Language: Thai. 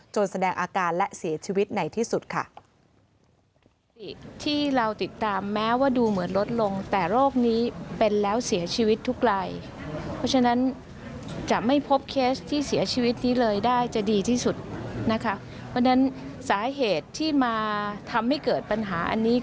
แสดงอาการและเสียชีวิตในที่สุดค่ะ